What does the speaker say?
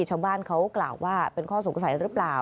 ชาวบ้านเขากล่าวว่าเป็นข้อสงสัยหรือเปล่า